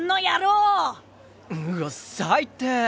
うっわさいってい！